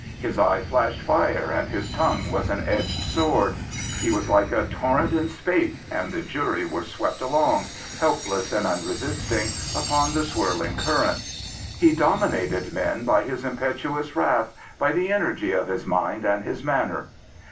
His eye flashed fire and his tongue was an edged sword. He was like a torrent in spate, and the jury were swept along, helpless and unresisting, upon the swirling F IS7 Prophets, Priests, and Kings current. He dominated men by his impetuous wrath, by the energy of his mind and his manner.